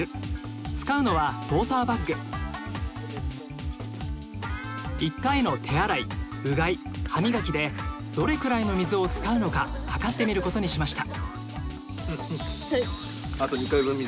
使うのは１回の手洗いうがい歯磨きでどれくらいの水を使うのかはかってみることにしました。